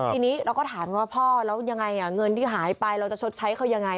ทีนี้เราก็ถามว่าพ่อแล้วยังไงเงินที่หายไปเราจะชดใช้เขายังไง